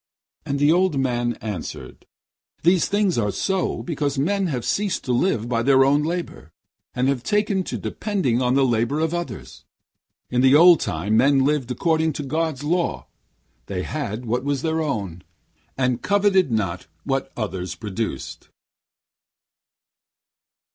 And the old man answered: 'These things are so, because men have ceased to live by their own labour, and have taken to depending on the labour of others. In the old time, men lived according to God's law. They had what was their own, and coveted not what others had produced.'